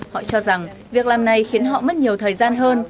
họ cho rằng việc làm này khiến họ mất nhiều thời gian hơn